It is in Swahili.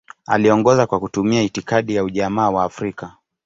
Aliongoza kwa kutumia itikadi ya Ujamaa wa Afrika.